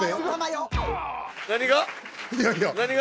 何が？